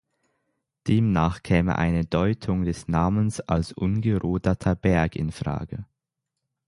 Demnach käme eine Deutung des Namens als "ungerodeter Berg" infrage.